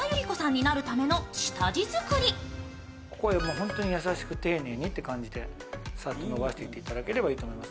ホントに優しく丁寧にという感じでさっと伸ばしていっていただければいいと思います。